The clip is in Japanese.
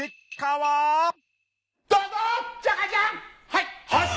はい。